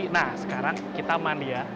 nah sekarang kita mandi ya